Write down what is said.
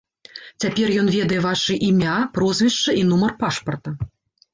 Цяпер ён ведае вашы імя, прозвішча і нумар пашпарта.